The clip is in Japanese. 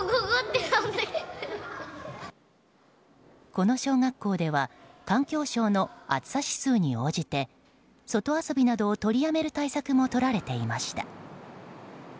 この小学校では環境省の暑さ指数に加えて外遊びなどを取りやめる対策も取られていました。